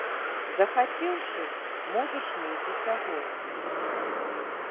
Захацеўшы, можаш мець і сягоння.